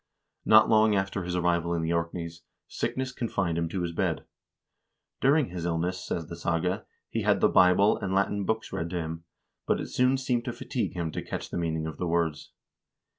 Not long after his arrival in the Orkneys, sickness confined him to his bed. "During his illness," says the saga, "he had the Bible and Latin books read to him ; but it soon seemed to fatigue him to catch the meaning of the words.